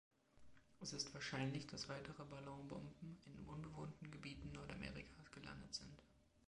Es ist wahrscheinlich, dass weitere Ballonbomben in unbewohnten Gebieten Nordamerikas gelandet sind.